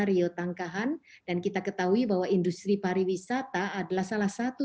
rio tangkahan dan kita ketahui bahwa industri pariwisata adalah salah satu